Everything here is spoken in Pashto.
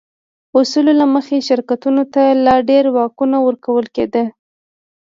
اصولو له مخې شرکتونو ته لا ډېر واکونه ورکول کېده.